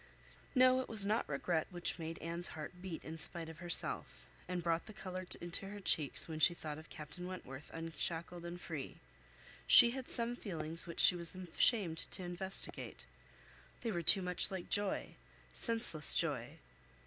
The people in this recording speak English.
No, it was not regret which made Anne's heart beat in spite of herself, and brought the colour into her cheeks when she thought of Captain Wentworth unshackled and free. She had some feelings which she was ashamed to investigate. They were too much like joy, senseless joy!